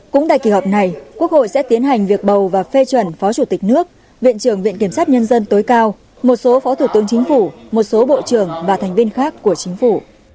cũng tại kỳ họp này quốc hội sẽ tiến hành việc bầu và phê chuẩn phó chủ tịch nước viện trưởng viện kiểm sát nhân dân tối cao một số phó thủ tướng chính phủ một số bộ trưởng và thành viên khác của chính phủ